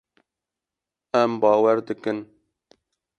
Em bawer dikin.